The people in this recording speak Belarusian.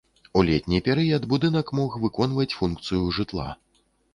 У летні перыяд будынак мог выконваць функцыю жытла.